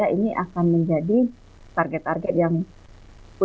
ini akan menjadi target target yang cukup